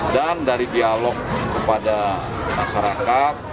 dan dari dialog kepada masyarakat